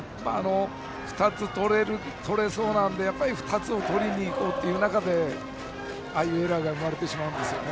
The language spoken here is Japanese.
２つとれそうなので２つをとりにいこうという中でああいうエラーが見られてしまうんですね。